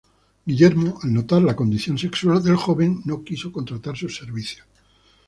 Guillermo, al notar la condición sexual del joven, no quiso contratar sus servicios.